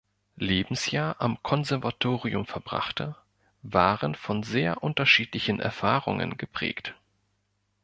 Lebensjahr am Konservatorium verbrachte, waren von sehr unterschiedlichen Erfahrungen geprägt.